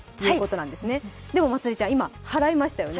でもまつりちゃん、今、払いましたよね。